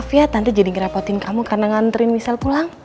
maaf ya tante jadi ngerepotin kamu karena ngantriin michelle pulang